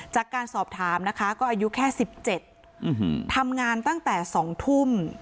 จากการสอบถามนะคะก็อายุแค่สิบเจ็ดอืมหืมทำงานตั้งแต่สองทุ่ม